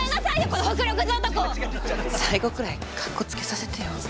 最後くらいかっこつけさせてよ。